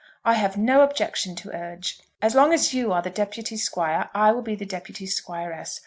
I have no objection to urge. As long as you are the deputy Squire, I will be the deputy Squiress.